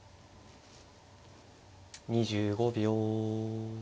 ２５秒。